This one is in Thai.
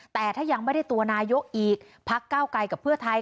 แต่ถ้ายังไม่ได้ตัวนายกอีกพักเก้าไกลกับเพื่อไทย